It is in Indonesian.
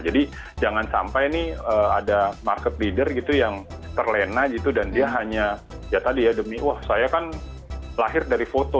jadi jangan sampai nih ada market leader gitu yang terlena gitu dan dia hanya ya tadi ya demi wah saya kan lahir dari foto